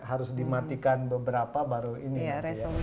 harus dimatikan beberapa baru ini ya